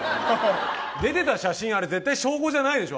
出てた写真、あれ絶対小５じゃないでしょ？